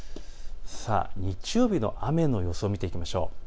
日曜日の雨の予想を見ていきましょう。